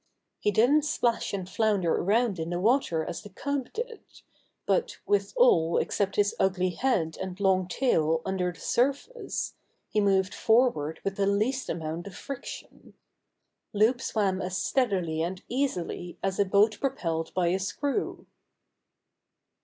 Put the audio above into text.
He didn't splash and flounder around in the water as the cub did, but, with all except his ugly head How Buster Got Out of tlie River 27 and long tail under the surface, he moved for ward with the least amount of friction. Loup swam as steadily and easily as a boat propelled by a screw.